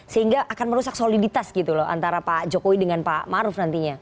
sehingga akan merusak soliditas gitu loh antara pak jokowi dengan pak maruf nantinya